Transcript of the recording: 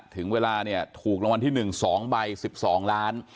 ถึงเวลาถูกรางวัลที่๑สองใบ๑๒ล้าน